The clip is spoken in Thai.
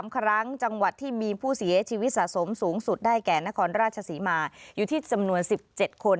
๓ครั้งจังหวัดที่มีผู้เสียชีวิตสะสมสูงสุดได้แก่นครราชศรีมาอยู่ที่จำนวน๑๗คน